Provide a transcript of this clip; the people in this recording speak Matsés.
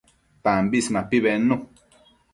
Tambis mapi bednu